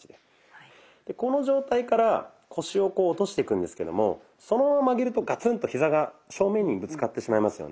この状態から腰をこう落としていくんですけどもそのまま曲げるとガツンとヒザが正面にぶつかってしまいますよね。